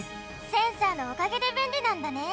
センサーのおかげでべんりなんだね！